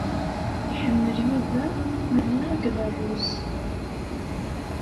Iḥemmel Yuba llubya akked ṛṛuz.